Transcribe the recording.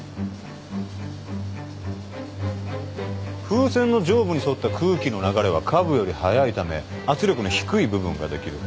風船の上部に沿った空気の流れは下部より速いため圧力の低い部分ができる。